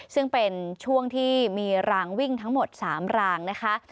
ซึ่งเป็นช่วงที่มีรางวิ่งทั้งหมด๓รางนะคะ